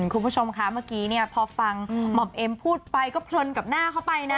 คุณผู้ชมคะเมื่อกี้เนี่ยพอฟังหม่อมเอ็มพูดไปก็เพลินกับหน้าเข้าไปนะ